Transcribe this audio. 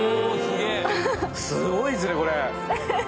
すごいですねこれ。